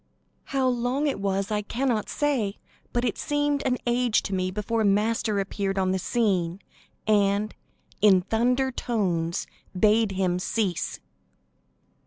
How long it was I cannot say, but it seemed an age to me before Master appeared on the scene, and, in thunder tones, bade him cease.